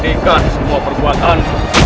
tingkat semua perbuatan